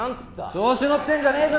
調子乗ってんじゃねえぞ